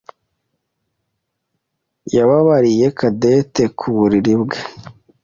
yababariye Cadette ku buriri bwe.